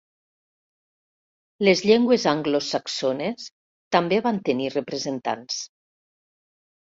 Les llengües anglosaxones també van tenir representants.